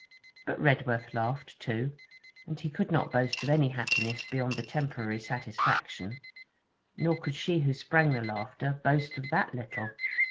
But Redworth laughed too, and he could not boast of any happiness beyond the temporary satisfaction, nor could she who sprang the laughter boast of that little.